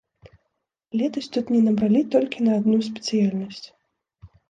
Летась тут не набралі толькі на адну спецыяльнасць.